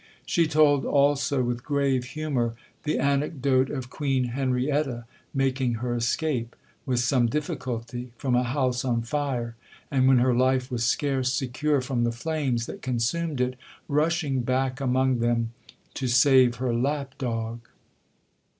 She told also, with grave humour, the anecdote of Queen Henrietta making her escape with some difficulty from a house on fire,—and, when her life was scarce secure from the flames that consumed it, rushing back among them—to save her lap dog!